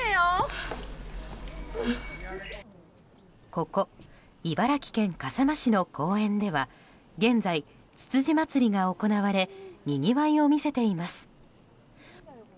ここ、茨城県笠間市の公園では現在、つつじまつりが行われにぎわいを見せています。